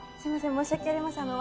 申し訳ありません。